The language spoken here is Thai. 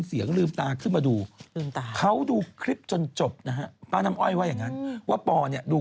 ที่เราได้ดูไปเนอะ